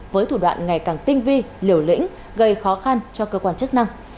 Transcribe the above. với thủ đoạn ngày càng tinh vi liều lĩnh gây khó khăn cho cơ quan chức năng